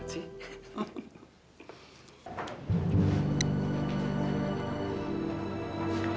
terima kasih banyak